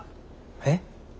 えっ？